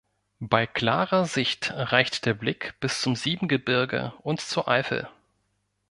Bei klarer Sicht reicht der Blick bis zum Siebengebirge und zur Eifel.